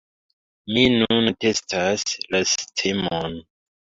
Mi nun testas la sistemon.